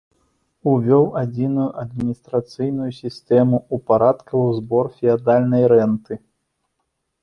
Увёў адзіную адміністрацыйную сістэму, упарадкаваў збор феадальнай рэнты.